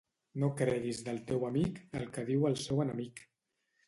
No creguis del teu amic, el que diu el seu enemic.